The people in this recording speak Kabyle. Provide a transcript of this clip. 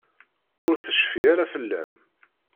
Ur tecfi ara fell-am.